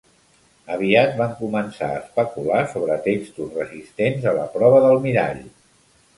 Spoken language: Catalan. Aviat van començar a especular sobre textos resistents a la prova del mirall.